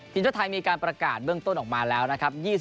ทีมชาติไทยมีการประกาศเบื้องต้นออกมาแล้วนะครับ